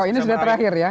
oh ini sudah terakhir ya